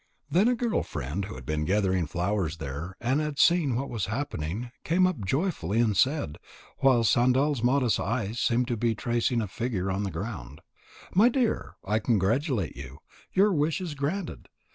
Then a girl friend who had been gathering flowers there and had seen what was happening, came up joyfully and said, while Sandal's modest eyes seemed to be tracing a figure on the ground: "My dear, I congratulate you. Your wish is granted.